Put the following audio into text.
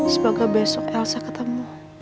semoga besok elsa ketemu